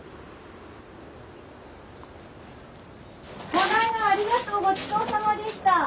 この間ありがとうごちそうさまでした。